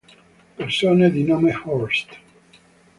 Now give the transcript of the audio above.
Persone di nome Horst